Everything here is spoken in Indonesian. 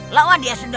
lawan dia sudari